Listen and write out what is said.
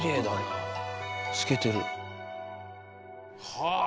はあ。